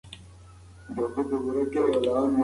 د مشرانو خبره يې منله.